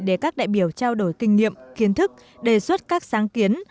để các đại biểu trao đổi kinh nghiệm kiến thức đề xuất các sáng kiến